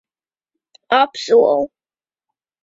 Apsolu.